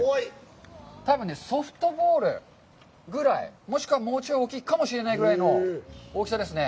多分ね、ソフトボールぐらい、もしくは、もうちょい大きいぐらいの大きさですね。